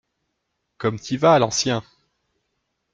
Comme t'y vas, l'ancien!